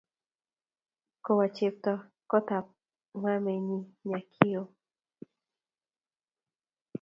kowa chepto kotap mamaenyi Nyakio